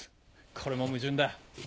これも矛盾だ。